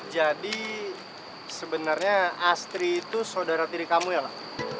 jadi sebenarnya astrid tuh saudara tiri kamu ya pak